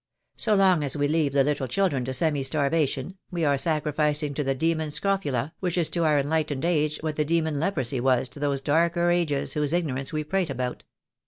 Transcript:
So long as we leave the little children to semi starvation, we are sacrificing to the Demon Scrofula, which is to our enlightened age what the Demon Leprosy was to those darker ages whose ignorance we prate about."